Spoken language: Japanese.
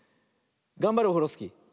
がんばれオフロスキー。